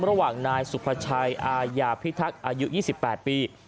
ระหว่างนายสุภาชัยอายาพิทักษ์อายุ๒๘ปี